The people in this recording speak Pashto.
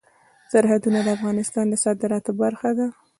سرحدونه د افغانستان د صادراتو برخه ده.